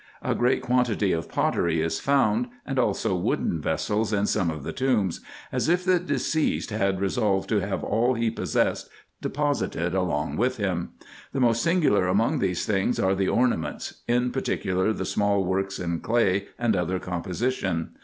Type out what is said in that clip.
A great quantity of pottery is found, and also wooden vessels in some of the tombs, as if the deceased had resolved to have all he possessed deposited along with him. The most singular among these things are the ornaments, in particular the small works in clay and other com position.